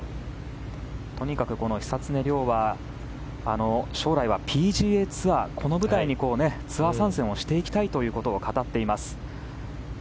とにかく、久常涼は将来はＰＧＡツアーこの舞台にツアー参戦していきたいと語っています。